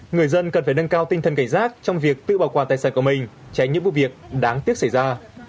người dân cần phải nâng cao tinh thần cảnh giác trong việc tự bảo quản tài sản của mình tránh những vụ việc đáng tiếc xảy ra